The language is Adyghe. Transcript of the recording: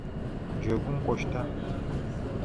Джэгум укӏощта?